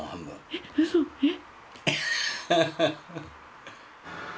えっうそえっ？